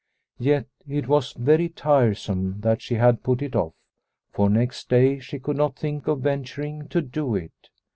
Yet it was very tiresome that she had put it off, for next day she could not think of venturing to do it.